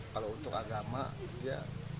kalau untuk agama dia